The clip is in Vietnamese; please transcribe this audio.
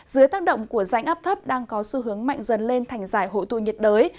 dưới tác động của rãnh áp thấp đang có xu hướng mạnh dần lên thành giải hội tụ nhiệt đới